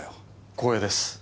光栄です。